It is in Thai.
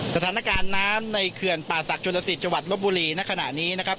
สถานการณ์น้ำในเขื่อนป่าศักดิลสิตจังหวัดลบบุรีณขณะนี้นะครับ